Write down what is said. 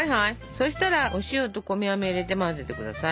そしたらお塩と米あめ入れて混ぜてください。